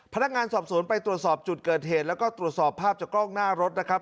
พนักงานสอบสวนไปตรวจสอบจุดเกิดเหตุแล้วก็ตรวจสอบภาพจากกล้องหน้ารถนะครับ